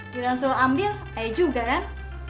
kira kira suruh ambil ayo juga kan